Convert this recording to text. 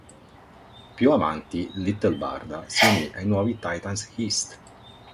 Più avanti, Little Barda si unì ai nuovi Titans East.